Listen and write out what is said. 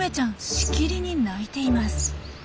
しきりに鳴いています。